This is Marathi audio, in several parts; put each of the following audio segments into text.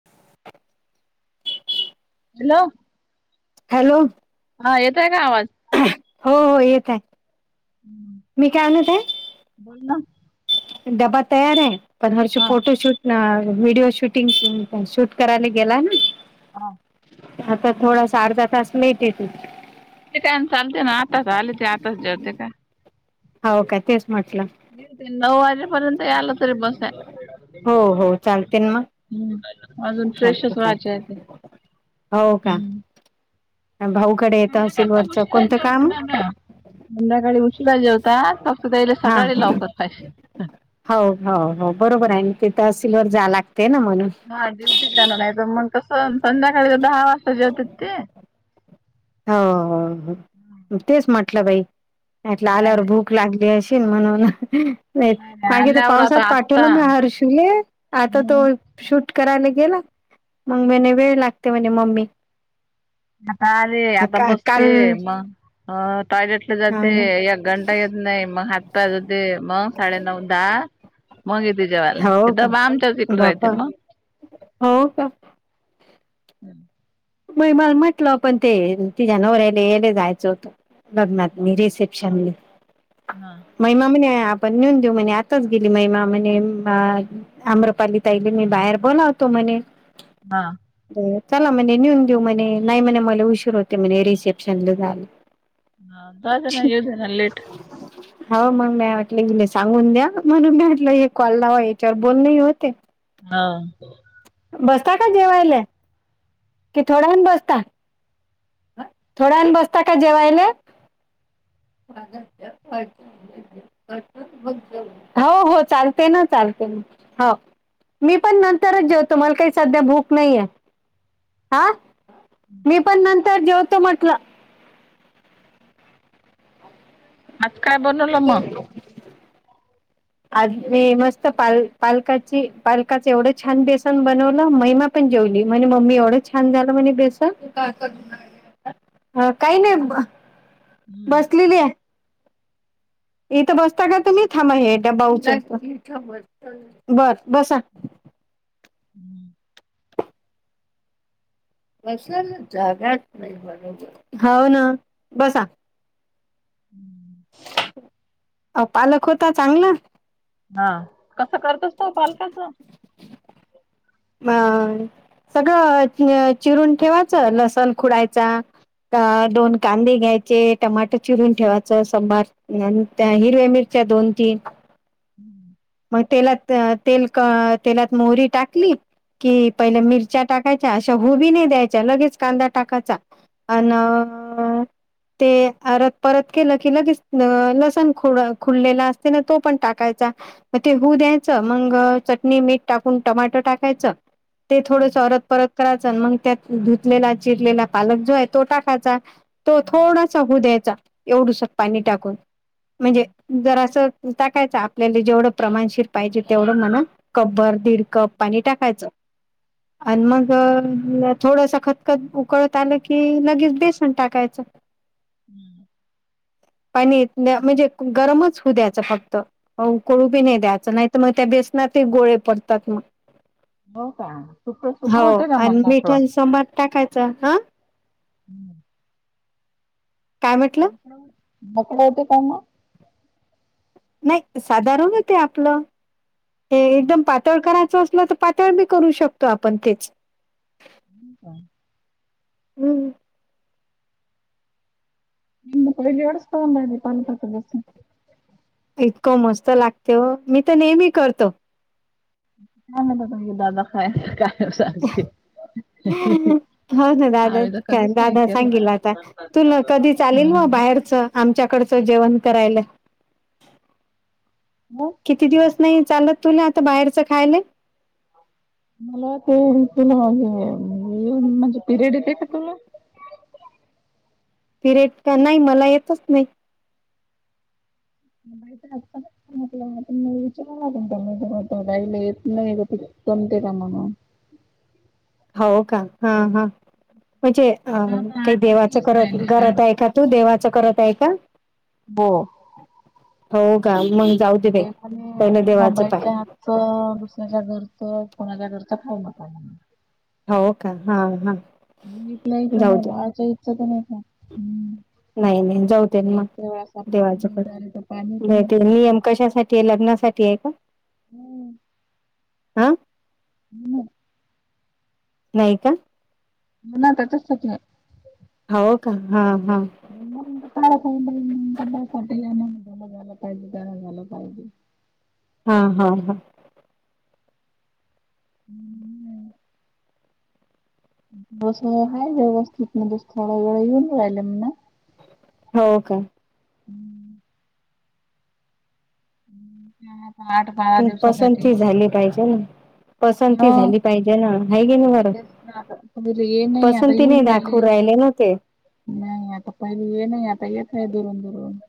[unintelligible] हॅलो. हॅलो. हा येतय का आवाज हो हो येत आहे मी काय आणत आहे. बोल ना. डबा तयार आहे पण हरषू हा फोटोशूट व्हिडिओ शूटिंग शूट करायला गेला ना. हा. आता थोडासा अर्धा तास मिेळट त. ते काय चालते ना आताच आले ते आताच जरते काय? हो का तेच म्हटलं हते नऊ वाजे पर्यंत याल तरी बसे. हो हो चालते ना मग हम् अजून फ्रेशच चालते चालते वयचे ते हो का हम्म. भाऊकडे येतं संध्याकाळी असिल तर वरचं उशिरा कोणतं काम जेवतात ना. संध्याकाळी उशीिरा जेवता स्वस्तताले हा सकाळी लावकर पाहिजे. हो हो हो बरोबर आहे तेथ सिल्ववर जा लागत. हा ड्युटी जाणार नाही तर मग कसं संध्याकाळी दहा वाजता जेवतात ते हो तेच म्हटलं बाईलं नाही आल्यावर भूक. लागली अशी म्हणून नाही नाही मागे तर आल्यावर पावसात आता पाठवलं आत्ता मी हर्षले आता तो. मग शूट करायला गेला मग म्ह वेळ लागते म्हणजे मम्मी आता आलेे आता का काल बसते मग अ टॉयलेटला हा जाते ना एक घंटा येत नाही मग हात पाया जाते मग साडेनऊ दहा मग य ते जेवा्हाला हो ते का दबा आमच्या त इिकडे राहते बापा मग हो का? म मला म्हटलं आपण ते तिझ्या नवरलेले जायचं होतं. बगमत म रिसेिप्शन. हा. महिमा म्हणे आपण नेऊन देऊ म्हणे आताच गेली महिमा म्हणे. आम्रपाली ताईली मी बाहेर बोलावतो मने हा चला म्हणजे नेऊन देऊ म्ह नाही म्हणे मला उशीर होते म्हज रिसेप्शनला झालं ह अ दे ना यव दे ना ललेट हो मग मी म्हटलं गेले सांगून द्या म्हणून मी म्हटलं हे कॉललावा याच्यावर बोलले होते हा बसता का जेवायला कि थोडाहण बसता थोडंण बसता का जेवायला अ हो हो चालते ना चालते हो मी पण नंतरच ज तम्हाला काहीध्या भूक नाही मी पण तर जेवतो म्हटलं आज काय बनवलं मग आ मी मस्त पाल पालकाची पालकाच एवढं छान बेसन बनवलं महिमा पण जेवली म्हणे म्मी एवढं छान झालं म्हणे बेस ह काही नाही ब बसलेली आहे इथं बसता का तुम्ही थांब हे ड्बा उच बर बसा हम्म ब जागाच नाही ब हो ना बसा हम्म अ पालक होता चांगला हा कसं करतस तो पालकाच अ सगळं चिरून ठेवायचं लसण खुडायचा अ दोन कांदे घ्यायचे टमाट चिरून ठेवायचं सबार हिरव्या मिरच्या दोन तीन हम्म मो टाकली क प मिा टायच्या अशा हबी नाही द्यायच्या लगेच कांदा टाकायचा अ ते परत परत केलं की लगेच लसण ख खुडलेला असते ना तो पण टाकायचा मग ते होऊ द्यायचं मग चटणी मीठ टाकून टमाॅटो टाक ते थोडत परत करायचं मग त्या धुतलेला चिरलेला पालक जो आहे तो टाकाचा तो थोडासा हो द्यायचा एवढुस पाणी टाकून म्हणजे जर असं आता कायच आपल्याला जेवढं प्रमाणशीर पाहिजे तेवढं म्हणा कब्बर दीड कप पाणी टाकायचं आणि मग थोडस खतखत उकळत आलं की लगेच बेसन टाकायचं हम्म पाणी म्हणजे गरमच होऊ द्याचं फक्त हो उकळू बी नाही द्यायचं नाही तर मग त्या बेसनात गोळे पडतात मग हो का सुक सुक हो होते का मग आणि मोकळं मिठा समार टाकायचा हा ह काय म्हटलं मक कते कम नाही साधारण हो ते आपलं एकदम पा पातळ करायचं असल तर पातळ बी करू शकतो आपण तेच ह का हम्म निम कैज ओडसे पाल पात दिवस. [unintelligible] इतकं मस्त लागत मी तर नेहमी करतो. का दादा खय कायते हो ना दादा काय दादा सांगेल आता तुला कधी चालेल म हम्म. बाहेरचं. आमच्याकडचं जेवण करायला. म किती दिवस नाही चालत तुला आता बाहेरचं खायला. मला ते तुला हे येन म्हणजे पिरियड येते का तुला. पिरेड का नाही मला येतच नाही. बा आज पणच सांगटलं [unintelligible] विचार कोणताईला येत नाही ग कोणते का म्हणून. हो का हा हा म्हणजे अ हा आता काही आठच देवाचं दिवस करत राहिले करत आठ. आहे का तू देवाचं करत आहे का. हो हो का मग जाऊ. दे पहिलं देवाचं पाय मोबाईलच्या दुसऱ्याच्या घरच कोणाच्या घरच खाऊ नका म्हणून हो का हां हां. बतलंच म बाचा इचछ त नाही का्. नाही नाही जवते मग आपण पण देवाच ते भे विचारलं तर पाणी पण येते. नियम कशासाठी लग्नासाठी साठीआहे का. हम्म. हा. हम्. नाहीय का. ना त्याच्याचसाठी. हो का हा हा. ळ ख पाटला ना झालं झाल पाज जाला झाल पायज [unintelligible] [inaudible] हा हा हा. हम्मम्. बस आहे व्यवस्थित म स्थळ वेळं येऊन राहिलं म्ह ना. हो का. हम्म. आता आठ बारा पण दिवसासाठी पसंती झाली पाहिजे ना. पसंती हो झाली पाहिजे ना ह गे ना बर तेच ना आता पहिले ये नाही आता पसंती नाही येऊन दाखव राहिले ना. ते. नाही आता पहिली ये नाही आता येतय दुरून दुरून.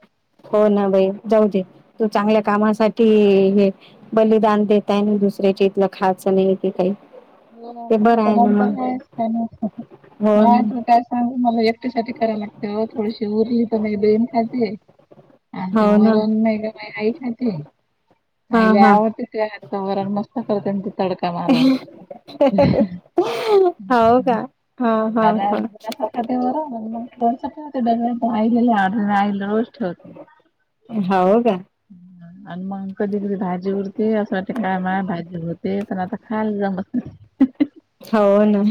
हो ना बाई जाऊ दे तू चांगल्या कामासाठी हे बलिदान देताय ना दुसऱ्याची इथलं खायचं नाहीेते काही. हो ते मग बरं त्या आहे ना नंतरच का म मग त का [unintelligible] सां मला एकट्यासाठी कराव लागते हो थोडीशी उरी तर म बेन खायतेे. आ ते हो ना हो वरण नाही मही आई खाते. ना हा आई ला आवडते ते आ वरण मस्त करते ते तडका मारून बरं हा हो म का हा [unintelligible] हा हिले आवड आई रोज ठेवतो. हो का. आणि मग कधी कधी भाजी उरते असं वाटते कामा भाजी होरते पण आता खाल जम हो ना.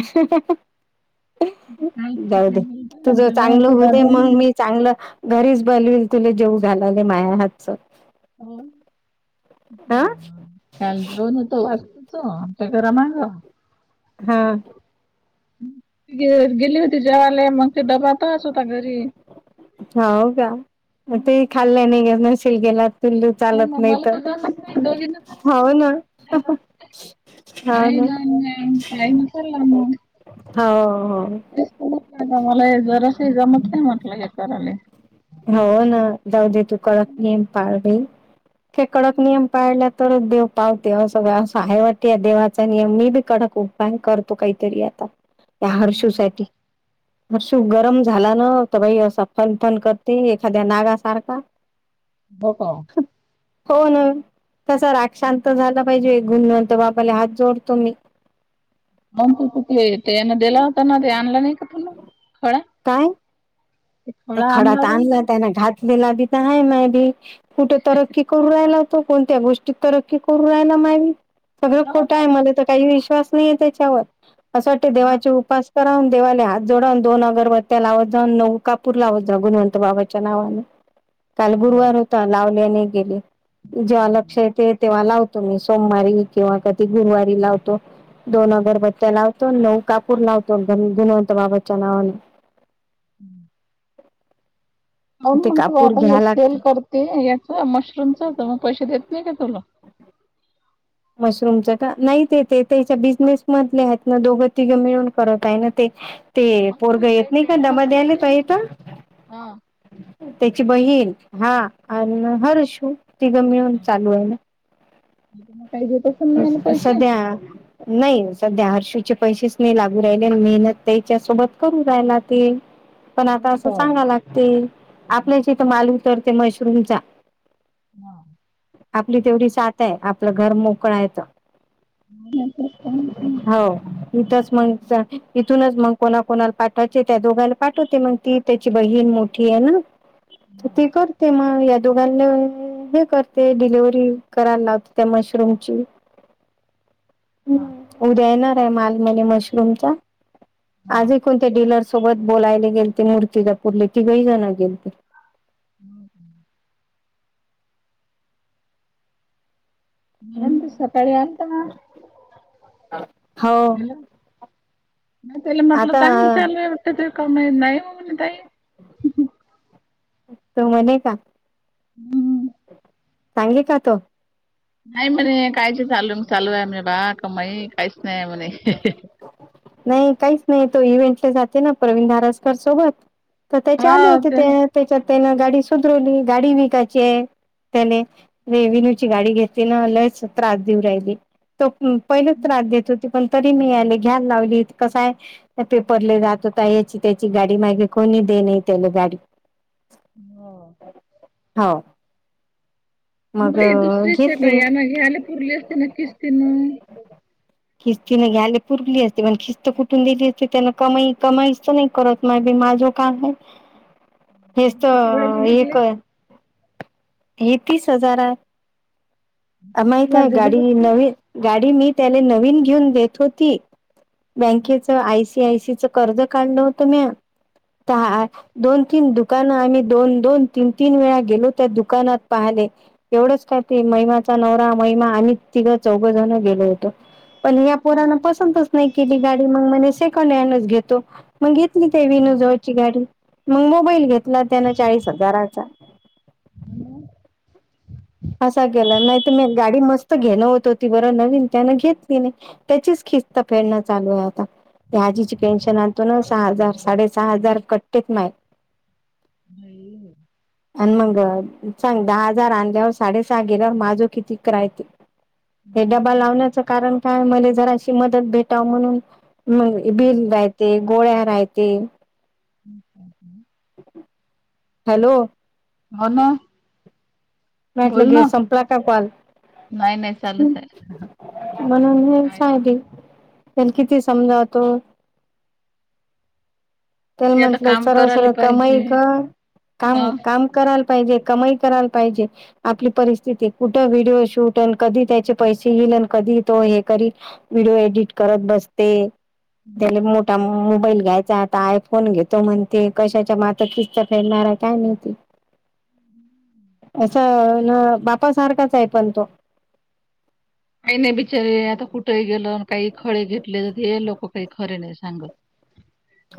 काय जाऊ तिकडे दे तुझ गेलते जेवण चांगलं होतं होते मग दादानी मी चांगलं घरीच बनविल तुला जेव घालाले माया हातच. ह हा काल घेऊन होतो वाजत तो आमच्या घरा मागा हा गेली होती जेवाला मग ते दडबाातच होता घरी हो का मग ते खाल्लं नाही नशि गेला पिल्लू चालत मग नाही मला तर जमत नाही दोघींना खायला हो ना नाहीय ना कायमचला ना हो हो म्हट का मला जरासजमत नाही म्हटलं हे करायला हो ना जाऊ दे तू कडक नियम पाळवे कडक नियम पाळल्या तरच देव पावते अस सगळ असं आहे वाटते या देवाचा नि मी बी कडक उपाय करतो काहीतरी आता त्या हर्षू सा हर्षू गरम झाला न तर बाई असा फनफन कर ते एखाद्या नागासारखा हो का हो ना तसा राक्षांत झाला पाहिजे गुणंत बाबाला हात जोडतो मी मण त कुठलेना दिला होता ना ते आणलं नाही का प खळा काय खडात होता ना आणला तू? त्याना घातलेला बी तर आहे माय बी कुठं तरक्की करू राहिला कोणत्या गोष्टीत तरक्की करू राहिला मा सगळं हो खोटं ना. आहे मला तर काही विश्वास त्याच्यावर असं वाट हा हो. देवाचे उप वून देवाला हात जोडवून दोन अगरबत्त्या लावत जाऊन नौका भपूर लावत जा गुणवंत बाबाच्या नावाने काल गुरुवार होता लावले आणि गेले जेव्हा लक्ष येते तेव्हा लावतो मी सोमवारी किंवा कधी गुरुवारी लावतो दोन अगरबत्त्या लावतो नऊ कापूर लावतो गुनवंत बाबाच्या नावाने हं होण ते मग तू कापूर आता हे घ्या लागतं सेल करते याच मशरूमच मग पैसे देत नाही का तुला मशरूमच का नाही ते ते त्याच्या बिझनेस मधले आहेत ना दोघं तिघं मिळून करत आहे ना ते ते मग काय पोरगा काही येत नाही का पेमेंट दमा असेल ना द्याला त्याले? पायेत हा. त्याची बहीण हा नाही आणि हर्शू तिघं मिळून चालू आहे ना ग काही जेत सध्या नाही सध्या हर्षीचे पैसेच नाही लागू राहिले मेहनत त्याच्या सोबत करू राहायला ते पण आता असं का? चांगा लागते आपल्याची इथ माल उतरते मशरूमचा आपली तेवढी साथ आहे आपलं घर मोकळयच मला ह हो इथच मग इथूनच मग कोणा कोणाला पाठवायचे त्या दोघांला पाठवते मग ती त्याची बहीण मोठी आहे ना तर ते करते मग या दोघांना हे करते डिलेिव्हरी करायला लावते त्या मशरूम [inaudible] ह उद्या येणार आहे मालमने मशरूमचा आजी कोणत डीलर सोबत बोलायला गेल ते मूर्ती जपरली तिघही जणं गेल ते हम् मंत सकाळी अंत हल हो नाही त्याला म्हटलं आता चांगलं चालूयटत ते का नाहीऊ तो म्हणे का हम्म. सांगे का तो नाही म्हणे कायच चालू म चालूयम बा का माई काहीच नाही म्हणे नाही काहीच नाही तो इव्हेंटले जाते ना प्रवीण दारसकर सोबत तर त्याचे आले होते ते त्याच्या त्यान गाडी सुधरवली गाडी विकायची आहे त्याने र विनू ची गाडी घेत पहिला त्रास देत हो पण तरी मी लावली कसाय आहे. पेपरले जात होता याची त्याची गाडी मागे कोणी दे नाही त्याला गाडी हम. हा. बई दुसरी श का यां ना घ्यायला पुरली असते न किसती ना. किस्तीने गेले पुूरली अस. पण खिस्त कुठून दिली असती त्यांना कमाई कमाईच नाही करत मा माझं काय आहे. हेच किती तर वेळाचे घेतले? एक आहे. हे तीस हजार आहे. माहित हजार आहे दिलेच गाडी असतील ना. नवीन गाडी मी त्याला नवीन घेऊन देत होती. बँकेच आयसी आयसीच कर्ज काढलं होतं मी. दोन तीन दुकानं आम्ही दोन दोन तीन तीन वेळा गेलो त्या दुकानात पाहाले. एवढंच काय ते महिमाचा नवरा महिमा आणि तिघं चौघंजण गेलो होतो. पण या्या पोरान पसंतच नाही केली गाडी मग म सेकंड हँडच घेतो. मग घेतली ते विनू जवळची गाडी मग मोबाईल घेतला त्यान चाळीस हजाराचा असा केला नाहीत मी गाडी मस्त घेणं होत होती बरं नवीन त्यान घेतली नाही. त्याचीच खिस्त फेरणं चालू आहे आता. त्या आजीची पेन्शन आणतो ना सहा हजार साडे सहा हजार कटतेेत माय आणि मग चांग दहा हजार आणल्या. डे सहा गेल्यावर माझ किती कय हे डबा लावण्याच कारण काय म जरा त मदत भेटाव म्हणून बिल राहते गोळ्या राहते. अच्छ! हॅलो! हो ना. माटलं बोल गे ना संपला का कॉल. नाही नाही चालूच आहे म्हणून हे काय सगली त्या किती समजावतो. त्याला ते आता म्हंटलं काम सर्व करायला सर्व कमाई पाहिजे का काम मग काम. करायला पाहिजे कमाई करायला पाहिजे. आपली परिस्थिती कुठं व्हिडिओ शूट आणि कधी त्याचे पैसे येईल आणि कधी तो हे करील. व्हिडिओ एडिट करत बसते त्याला मोठा मोबाईल घ्यायचा. आय फोन घेतो म्हण ते कशाच्या मात खिस्त फेरणार आहे काय नाहीती. असं ना बाप सारखाच आहे पण तो. काही नाही बिचारीे आता कुठेही गेलं काही खळे घेतले हे लोक काही खरे नाही सांगत.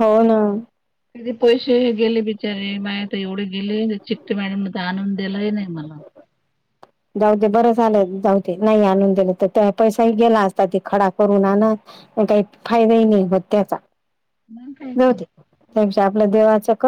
हो ना. की पैसे गेले बिचारे मायता एवढे गेले चिक्टी मॅड मध्ये आणून दिलाही नाही मला. जाऊ ते बरं झा आलं जाऊ ते नाही आणून दिलं तर पैसाही गेला असता त खडा करून आण. काही फायदाही नाही होत मग काय त्याचाते तर त्या आपलं देवाच क